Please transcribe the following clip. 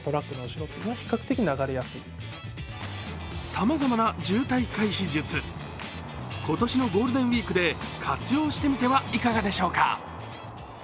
さまざまな渋滞回避術、今年のゴールデンウイークで活用してみてはいかがでしょうか。